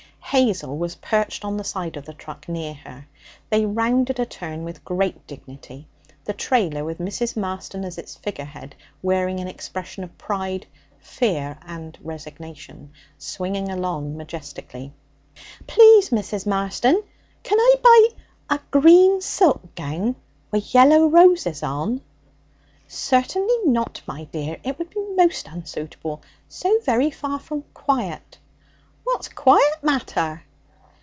Hazel was perched on the side of the truck near her. They rounded a turn with great dignity, the trailer, with Mrs. Marston as its figure head wearing an expression of pride, fear, and resignation swinging along majestically. 'Please, Mrs. Marston, can I buy a green silk gown wi' yellow roses on?' 'Certainly not, my dear. It would be most unsuitable. So very far from quiet.' 'What's quiet matter?'